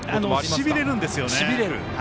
しびれるんですよね。